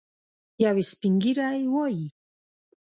یو سپین ږیری وايي.